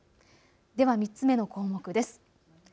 では３つ目の項目です。